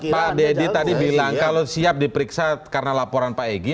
pak deddy tadi bilang kalau siap diperiksa karena laporan pak egy